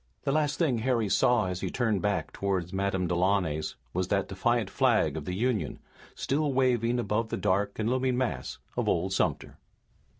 The last thing Harry saw as he turned back toward Madame Delaunay's was that defiant flag of the Union, still waving above the dark and looming mass of old Sumter.